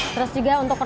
terus juga untuk rasa